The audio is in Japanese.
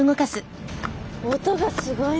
音がすごいもう！